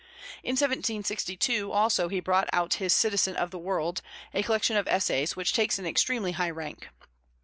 In 1762 also he brought out his Citizen of the World, a collection of essays, which takes an extremely high rank.